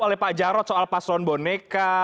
oleh pak jarod soal paslon boneka